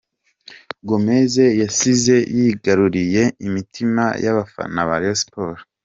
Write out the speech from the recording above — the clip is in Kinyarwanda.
Gomez yasize yigaruriye imitima y’abafana ba Rayon Sports.